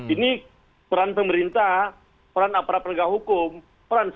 ini peran pemerintah peran aparat penegak hukum peran